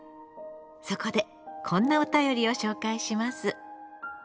そこでこんなお便りを紹介します。